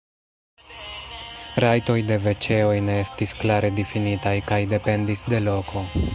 Rajtoj de veĉeoj ne estis klare difinitaj kaj dependis de loko.